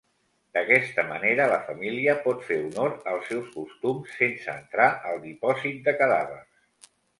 D'aquesta manera, la família pot fer honor als seus costums sense entrar al dipòsit de cadàvers.